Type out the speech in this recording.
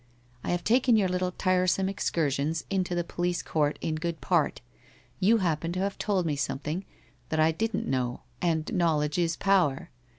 I have taken your little tiresome excursions into the police court in good part — you happen to have told me something, that I didn't know, and knowledge is power.